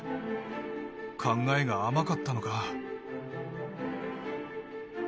考えが甘かったのか。